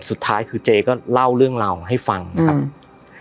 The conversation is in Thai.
สุดท้ายคือเจก็เล่าเรื่องราวให้ฟังนะครับอืม